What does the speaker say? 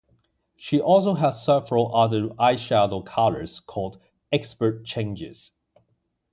She also has several other eyeshadow colors called "Expert Changes".